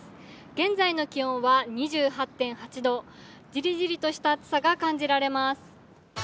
現在の気温は２８．８度じりじりとした暑さを感じられます。